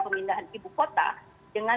pemindahan ibu kota dengan